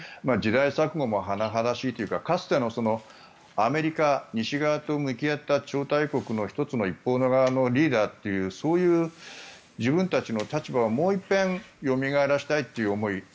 時代錯誤も甚だしいというかかつてのアメリカ、西側と向き合った超大国の１つの一方側のリーダーというそういう自分たちの立場をもう一遍よみがえらせたいという思い